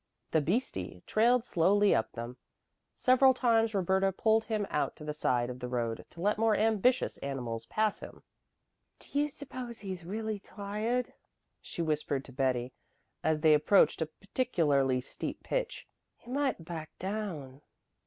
The "beastie" trailed slowly up them. Several times Roberta pulled him out to the side of the road to let more ambitious animals pass him. "Do you suppose he's really tired?" she whispered to Betty, as they approached a particularly steep pitch. "He might back down."